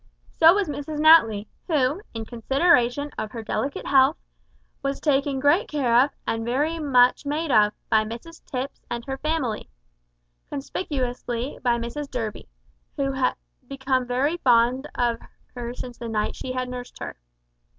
So was Mrs Natly, who, in consideration of her delicate health, was taken great care of, and very much made of, by Mrs Tipps and her family conspicuously by Mrs Durby, who had become very fond of her since the night she nursed her.